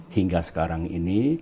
hingga sekarang ini